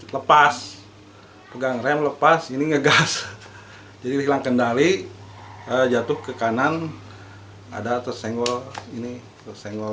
lepas pegang rem lepas ini ngegas jadi hilang kendali jatuh ke kanan ada tersenggol ini tersenggol